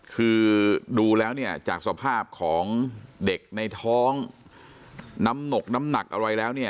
คือดูแล้วเนี่ยจากสภาพของเด็กในท้องน้ำหนกน้ำหนักอะไรแล้วเนี่ย